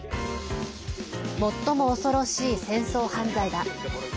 最も恐ろしい戦争犯罪だ。